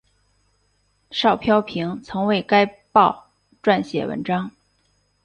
邵飘萍曾为该报撰写文章。